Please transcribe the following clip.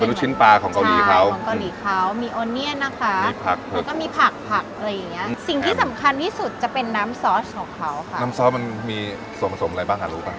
เป็นลูกชิ้นปลาของเกาหลีเขาใช่ของเกาหลีเขามีนะคะแล้วก็มีผักผักอะไรอย่างเงี้ย